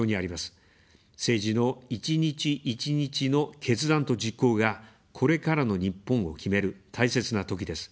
政治の一日一日の決断と実行が、これからの日本を決める、大切なときです。